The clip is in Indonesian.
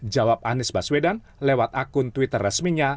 jawab anies baswedan lewat akun twitter resminya